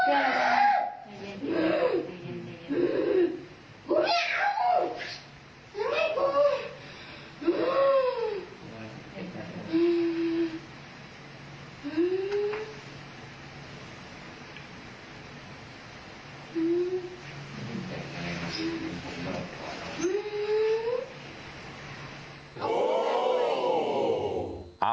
กูไม่เอา